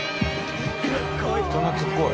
人懐っこい。